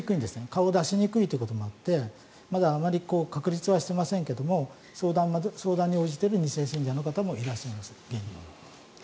顔を出しにくいということもあってまだあまり確立はしていませんが相談に応じている２世信者の方も現にいらっしゃいます。